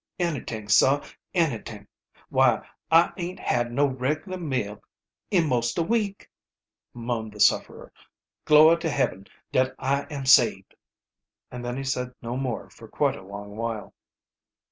"Anyt'ing, sah, anyt'ing! Why, I aint had, no reg'lar meal in most a week!" moaned the sufferer. "Glory to Heaben dat I am sabed!" And then he said no more for quite a long, while.